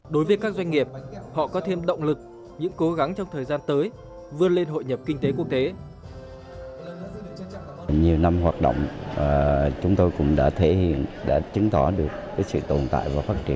đối với các doanh nghiệp họ có thêm động lực những cố gắng trong thời gian tới vươn lên hội nhập kinh tế quốc tế